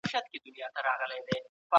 کندهاري مشران خپلې ستونزې څنګه هواروي؟